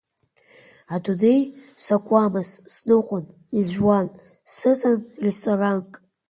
Адунеи сакуамызт, сныҟәон, изжәуан, сыҵан ресторанк.